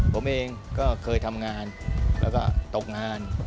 ผมเองก็เคยทำงานแล้วก็ตกงาน